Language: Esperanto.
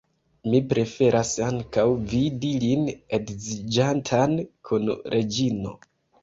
Mi preferas ankoraŭ vidi lin edziĝantan kun Reĝino.